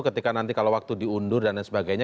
ketika nanti kalau waktu diundur dan lain sebagainya